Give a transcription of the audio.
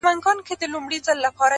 • تورې موږ وکړې ګټه تا پورته کړه,